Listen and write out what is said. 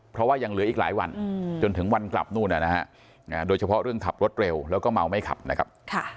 เพราะว่ายังเหลืออีกหลายวันจนถึงวันกลับนู่นนะฮะโดยเฉพาะเรื่องขับรถเร็วแล้วก็เมาไม่ขับนะครับ